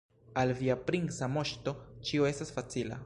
Al via princa moŝto ĉio estas facila.